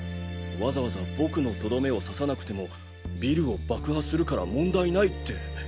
わざわざ僕のとどめを刺さなくてもビルを爆破するから問題ないって。